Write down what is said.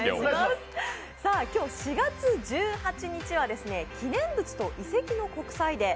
今日４月１８日は記念物と移籍の国際デー。